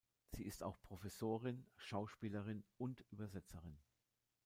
Sie ist auch Professorin, Schauspielerin und Übersetzerin.